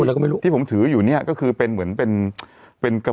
โอ้ยนุ่มเธอยังอยู่รูปแกไม่เหลือล่ววะ